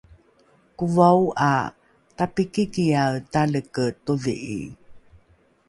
kovao ’a tapikikiae taleke todhi’i